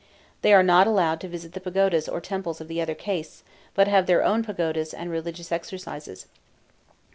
They are not allowed to visit the pagodas or temples of the other castes, but have their own pagodas and religious exercises.